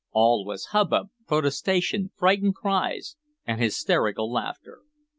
All was hubbub, protestation, frightened cries, and hysterical laughter.